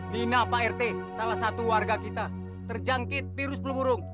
nina pak rt salah satu warga kita terjangkit virus flu burung